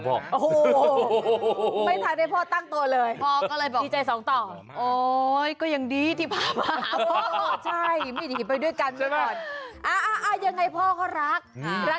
โอ้ยผู้สาวอีกดีหรือเปล่า